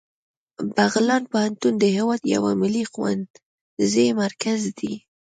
بغلان پوهنتون د هیواد یو ملي ښوونیز مرکز دی